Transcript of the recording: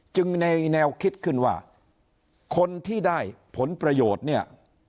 ในแนวคิดขึ้นว่าคนที่ได้ผลประโยชน์เนี่ย